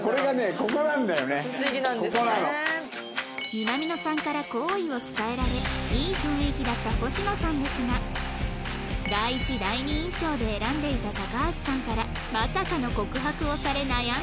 南野さんから好意を伝えられいい雰囲気だった星野さんですが第一第二印象で選んでいた高橋さんからまさかの告白をされ悩んでいました